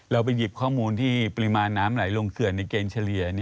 เราไปหยิบข้อมูลที่ปริมาณน้ำไหลลงเขื่อนในเกณฑ์เฉลี่ย